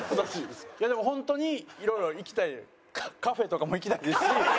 でも本当にいろいろ行きたいカフェとかも行きたいですし。